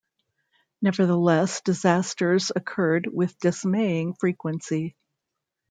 Nevertheless, disasters occurred with dismaying frequency.